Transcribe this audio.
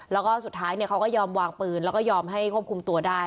แล้วก็สุดท้ายเขาก็ยอมวางปืนแล้วก็ยอมให้ควบคุมตัวได้